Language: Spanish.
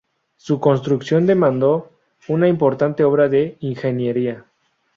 Su construcción demandó una importante obra de ingeniería.